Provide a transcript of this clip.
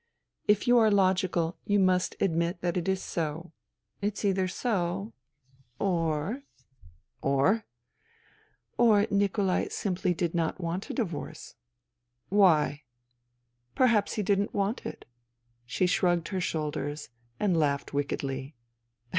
If you are logical you must admit that it is so. It's either so, or •"" Or ?"" Or Nikolai simply did not want a divorce." " Why ?"" Perhaps he didn't want it." She shrugged her shoulders and laughed wickedly.